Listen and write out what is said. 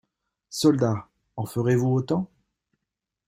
Soldats, en ferez-vous autant?